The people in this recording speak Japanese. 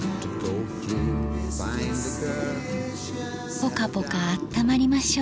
ポカポカあったまりましょう。